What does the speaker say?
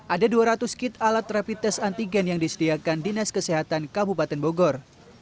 ada dua ratus kit alat rapid test antigen yang disediakan dinas kesehatan kabupaten bogor